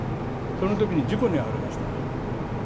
その時に事故に遭われました。